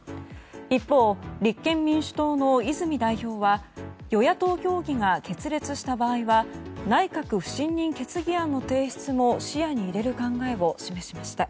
一方、立憲民主党の泉代表は与野党協議が決裂した場合は内閣不信任決議案の提出も視野に入れる考えを示しました。